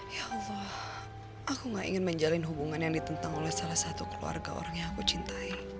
ya allah aku gak ingin menjalin hubungan yang ditentang oleh salah satu keluarga orang yang aku cintai